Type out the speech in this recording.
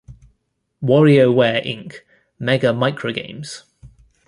WarioWare, Inc.: Mega Microgames!